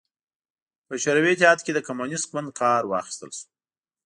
په شوروي اتحاد کې د کمونېست ګوند کار واخیستل شو.